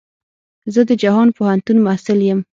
زه د جهان پوهنتون محصل يم.